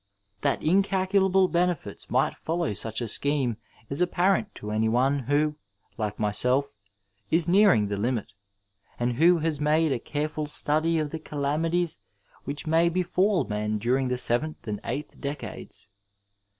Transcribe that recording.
That incalculable benefits might follow such a scheme is apparent to any one who, like myself, is nearing the limit, and who has made a careful study of the calamities which may befall men during the seventh and eighth decades.